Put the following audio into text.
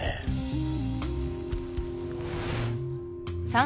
うん。